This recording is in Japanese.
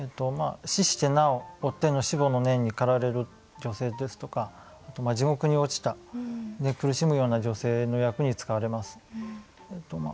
死してなお夫への思慕の念に駆られる女性ですとか地獄に落ちた苦しむような女性の役に使われます。